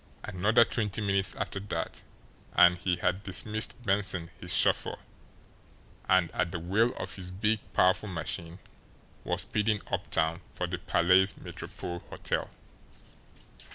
Another twenty minutes after that, and he had dismissed Benson, his chauffeur, and, at the wheel of his big, powerful machine, was speeding uptown for the Palais Metropole Hotel.